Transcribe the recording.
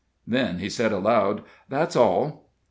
Then he said, aloud: "That's all."